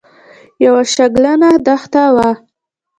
یوه شګلنه دښته وه.